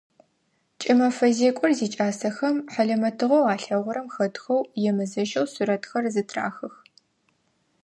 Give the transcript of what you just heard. Кӏымэфэ зекӏор зикӏасэхэм хьалэмэтыгъэу алъэгъурэм хэтхэу емызэщэу сурэтхэр зытрахых.